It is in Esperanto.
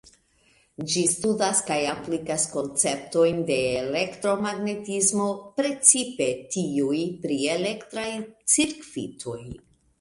Ĝi studas kaj aplikas konceptojn de elektromagnetismo, precipe tiuj pri elektraj cirkvitoj.